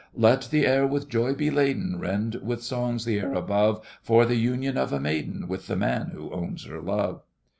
Let the air with joy be laden, Rend with songs the air above, For the union of a maiden With the man who owns her love!